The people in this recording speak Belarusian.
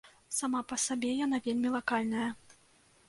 Сама па сабе яна вельмі лакальная.